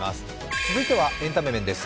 続いてはエンタメ面です。